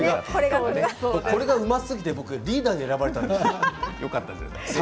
それが、うますぎて僕リーダーに選ばれたんですよ